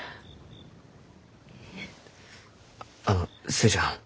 あの寿恵ちゃん